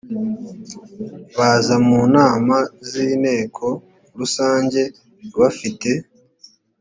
baza mu nama z inteko rusange bafite